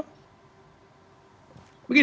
tidak bisa bertemu begitu